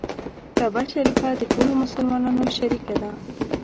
کعبه شریفه د ټولو مسلمانانو شریکه ده.